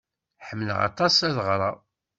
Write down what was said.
Ḥemmleɣ aṭas ad ɣreɣ.